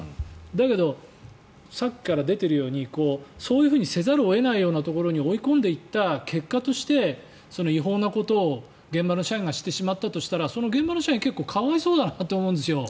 だけどさっきから出ているようにそうせざるを得ないようなところに追い込んでいった結果として違法なことを現場の社員がしてしまったとしたらその現場の社員結構、可哀想だなって思うんですよ。